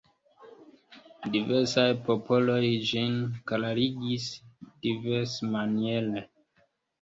Diversaj popoloj ĝin klarigis diversmaniere.